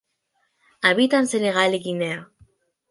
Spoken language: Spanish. Habita en Senegal y Guinea.